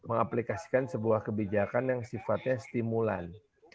mengaplikasikan sebuah kebijakan yang sifatnya stimulan